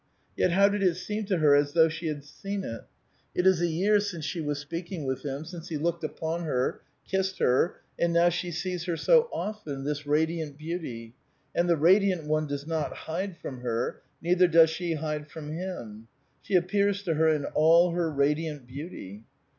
Yet how did it seem to her as though she had seen it? It is a year since she was speaking with him, since he looked upon her, kissed her, and now she sees her so often, this radiant beauty ; and the radiant one does not hide from her, neither does she hide from him ; she appears to her in all her radiant beautv.